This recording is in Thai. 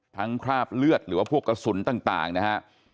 ทั้งภาพเลือดหรือว่าพวกกระสุนต่างนะครับ